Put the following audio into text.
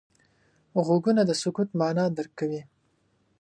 غوږونه د سکوت معنا درک کوي